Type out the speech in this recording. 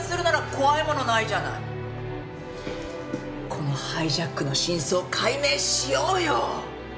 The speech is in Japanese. このハイジャックの真相解明しようよ！